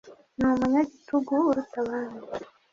ni umunyagitugu uruta abandi